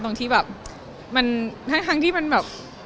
ตรงที่แบบทั้งที่มันแบบ